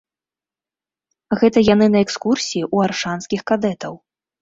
Гэта яны на экскурсіі ў аршанскіх кадэтаў.